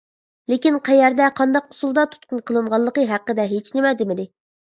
لېكىن قەيەردە، قانداق ئۇسۇلدا تۇتقۇن قىلىنغانلىقى ھەققىدە ھېچنېمە دېمىدى.